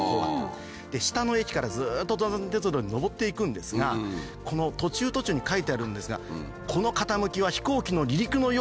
下の駅からずっと登山鉄道で上っていくんですがこの途中途中に書いてあるんですが「この傾きは飛行機の離陸のようだ」。